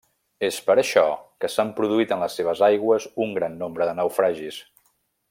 És per això que s'han produït en les seves aigües un gran nombre de naufragis.